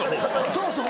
そうそう。